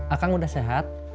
akang udah sehat